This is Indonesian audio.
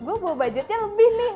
gue bawa budgetnya lebih nih